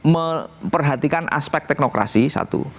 memperhatikan aspek teknokrasi satu